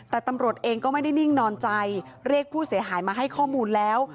แต่ตำรวจเองก็ไม่ได้นิ่งนอนใจเรียกผู้เสียหายมาให้ข้อมูลแล้ว